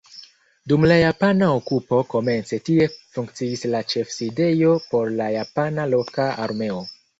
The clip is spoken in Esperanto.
Dum la japana okupo komence tie funkciis la ĉefsidejo por la japana loka armeo.